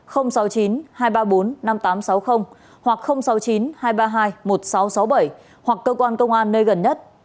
hoặc sáu mươi chín hai trăm ba mươi hai một nghìn sáu trăm sáu mươi bảy hoặc cơ quan công an nơi gần nhất